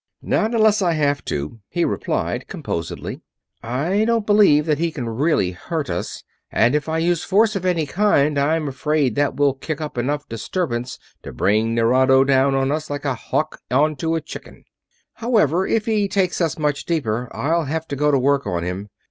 "Not unless I have to," he replied, composedly. "I don't believe that he can really hurt us, and if I use force of any kind I'm afraid that it will kick up enough disturbance to bring Nerado down on us like a hawk onto a chicken. However, if he takes us much deeper I'll have to go to work on him.